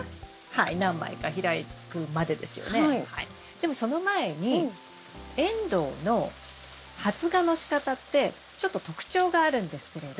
でもその前にエンドウの発芽のしかたってちょっと特徴があるんですけれど。